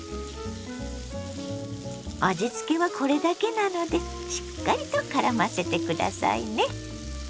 味つけはこれだけなのでしっかりとからませて下さいね。